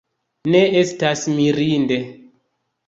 Ne estas mirinde.